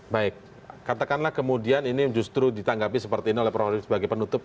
baik katakanlah kemudian ini justru ditanggapi seperti ini oleh prof arief sebagai penutup